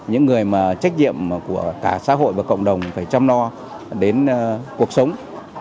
những người mà trách nhiệm của cả xã hội và cộng đồng phải chăm lo đến cuộc sống